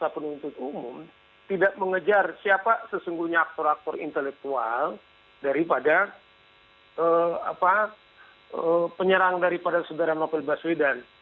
penuntut umum tidak mengejar siapa sesungguhnya aktor aktor intelektual daripada penyerang daripada saudara novel baswedan